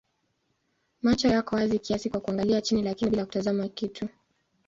Macho yako wazi kiasi kwa kuangalia chini lakini bila kutazama kitu.